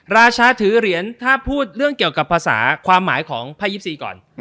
ราชาถือเหรียญถ้าพูดเรื่องเกี่ยวกับภาษาความหมายของไพ่๒๔ก่อน